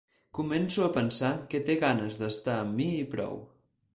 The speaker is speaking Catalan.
Començo a pensar que té ganes d'estar amb mi i prou.